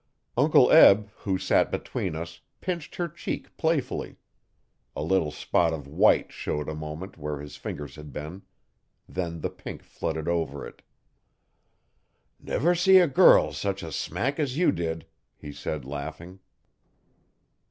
Uncle Eb who sat between us pinched her cheek playfully. A little spot of white showed a moment where his fingers had been. Then the pink flooded over it. 'Never see a girl git such a smack as you did,' he said laughing.